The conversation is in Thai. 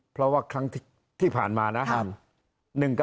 เพราะว่าครั้งที่ผ่านมานะครับ